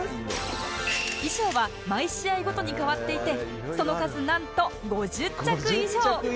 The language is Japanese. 衣装は毎試合ごとに変わっていてその数なんと５０着以上！